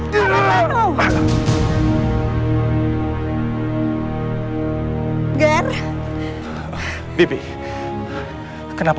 keragam yang cresnya